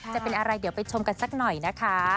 จะเป็นอะไรเดี๋ยวไปชมกันสักหน่อยนะคะ